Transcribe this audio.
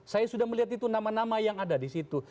saya sudah melihat itu nama nama yang ada di situ